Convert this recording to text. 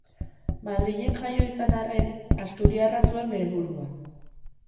Madrilen jaioa izan arren, asturiarra zuen bere burua.